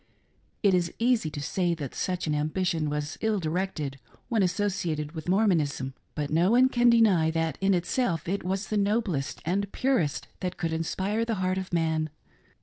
It is easy to say that such an ambition was ill directed when associated with Mormonism, but no one can deny that, in itself, it was the noblest and purest that could inspire the heart of man.